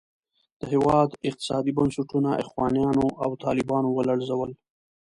د هېواد اقتصادي بنسټونه اخوانیانو او طالبانو ولړزول.